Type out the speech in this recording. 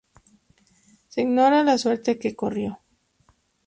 Se ignora la suerte que corrió.